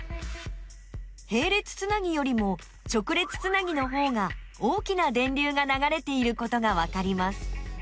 へい列つなぎよりも直列つなぎのほうが大きな電流がながれていることがわかります。